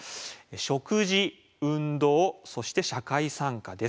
食事運動そして社会参加です。